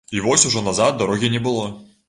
І вось ужо назад дарогі не было.